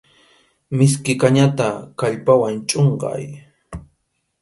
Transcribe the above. Miskʼi kañata kallpawan chʼunqay.